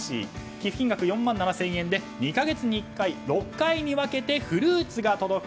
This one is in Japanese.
寄付金額４万７０００円で２か月に１回６回に分けてフルーツが届く。